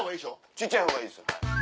小っちゃい方がいいです。